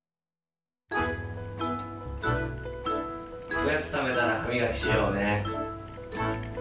おやつたべたらはみがきしようね。